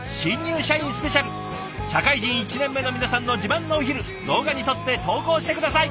社会人１年目の皆さんの自慢のお昼動画に撮って投稿して下さい！